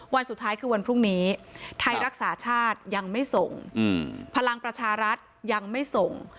วันสุดท้ายคือวันพรุ่งนี้ไทยรักษาชาติยังไม่ส่งพลังประชารัฐยังไม่ส่ง